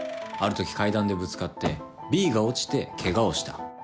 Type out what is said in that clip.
あるとき階段でぶつかってＢが落ちてケガをした。